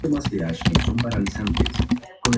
¿yo hubiese partido?